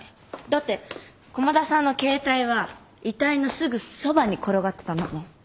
だって駒田さんの携帯は遺体のすぐそばに転がってたんだもん。